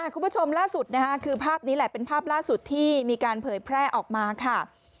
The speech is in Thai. คุณผู้ชมล่าสุดคือภาพนี้แหละเป็นภาพล่าสุดที่มีการเผยแพร่ออกมาค่ะ